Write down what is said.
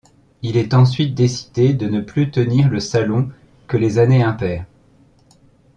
Il est ensuite décider de ne plus tenir le salon que les années impaires.